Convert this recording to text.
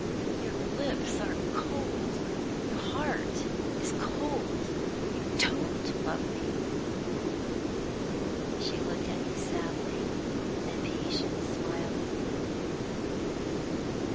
Your lips are cold your heart is cold. You don't love me!" She looked at me sadly, with a patient smile.